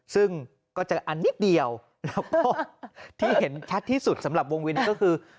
ซึ่งก็เจออันนิดเดียวแล้วก็ที่เห็นชัดที่สุดสำหรับวงวินก็คือ